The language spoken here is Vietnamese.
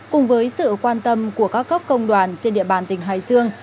cùng với sự quan tâm của các cấp công đoàn trên địa bàn tỉnh hải dương